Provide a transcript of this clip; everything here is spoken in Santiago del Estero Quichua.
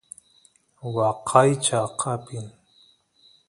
waqaychaq apin